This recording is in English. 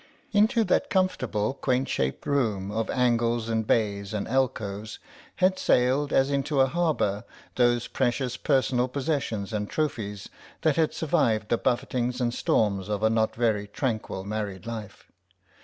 Into that comfortable quaint shaped room of angles and bays and alcoves had sailed, as into a harbour, those precious personal possessions and trophies that had survived the buffetings and storms of a not very tranquil married life.